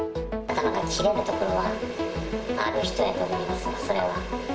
頭が切れるところはある人やと思います、それは。